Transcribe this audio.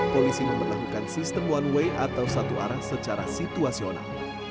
polisi memperlakukan sistem one way atau satu arah secara situasional